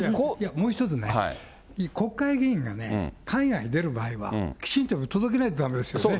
もう一つね、国会議員がね、海外出る場合はきちんと届けないとだめですよね。